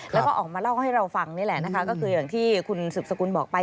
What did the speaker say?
แล้วก็ออกมาเล่าให้เราฟังนี่แหละนะคะก็คืออย่างที่คุณสืบสกุลบอกไป